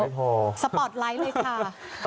สปอร์ตไลท์เลยค่ะ